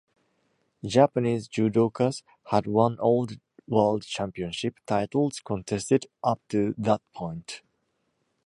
Japanese judokas had won all the World Championship titles contested up to that point.